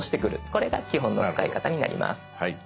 これが基本の使い方になります。